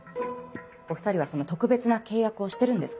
お２人はその特別な契約をしてるんですか？